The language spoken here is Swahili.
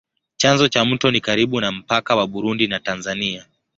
Chanzo cha mto ni karibu na mpaka wa Burundi na Tanzania.